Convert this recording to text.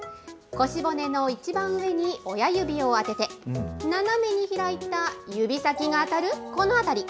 腰骨の一番上に親指を当てて、斜めに開いた指先が当たるこの辺り。